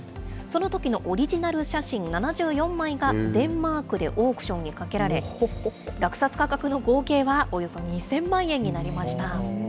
そのときのオリジナル写真７４枚が、デンマークでオークションにかけられ、落札価格の合計は、およそ２０００万円になりました。